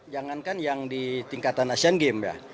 jangankan yang di tingkatan asian games ya